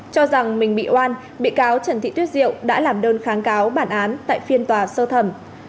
cho rằng mình bị oan bị cáo trần thị tuyết diệu đã làm đơn kháng cáo bản án tại phiên tòa sơ thẩm